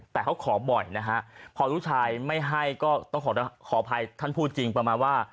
แต่เขาขอบ่อยนะฮะพอลูกชายไม่ให้ก็ต้องขออภัยท่านพูดจริงประมาณว่า